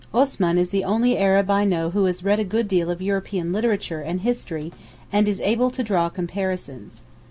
Osman is the only Arab I know who has read a good deal of European literature and history and is able to draw comparisons.